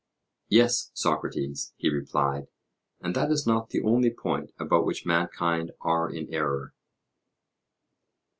Yes, Socrates, he replied; and that is not the only point about which mankind are in error.